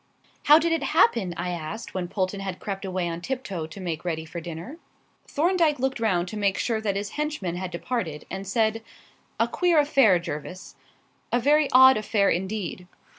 "How did it happen?" I asked when Polton had crept away on tip toe to make ready for dinner. Thorndyke looked round to make sure that his henchman had departed, and said "A queer affair, Jervis; a very odd affair indeed.